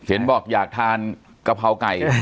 เห็นบอกอยากทานกะเพราไก่